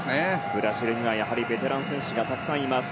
ブラジルにはベテラン選手がたくさんいます。